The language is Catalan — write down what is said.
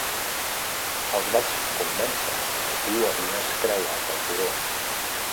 Els vaig convèncer que tu havies creuat el turó.